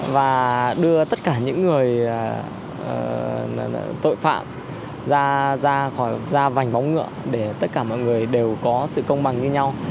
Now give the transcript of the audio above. và đưa tất cả những người tội phạm ra khỏi ra vành bóng ngựa để tất cả mọi người đều có sự công bằng như nhau